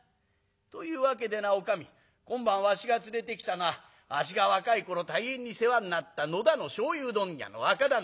というわけでなおかみ今晩わしが連れてきたのはわしが若い頃大変に世話になった野田の醤油問屋の若旦那だ。